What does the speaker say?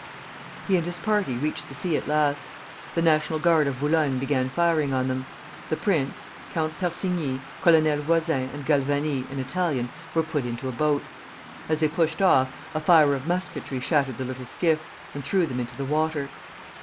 He and his party reached the sea at last. The National Guard of Boulogne began firing on them. The prince, Count Persigny, Colonel Voisin, and Galvani, an Italian, were put into a boat. As they pushed off, a fire of musketry shattered the little skiff, and threw them into the water.